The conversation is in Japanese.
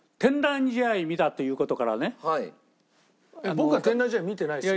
僕は天覧試合見てないですよ。